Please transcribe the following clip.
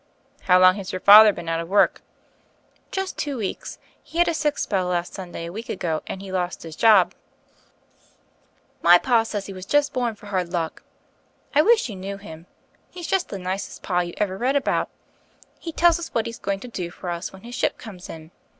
"How long has your father been out of work?" "Just two weeks : he had a sick spell last Sun day a week ago, and he lost his pb. My pa i» 32 THE FAIRY OF THE SNOWS says he was just bom for hard luck. I wish you knew him : he's just the nicest pa you ever read about. He tells us what he's going to do for us when his ship comes in.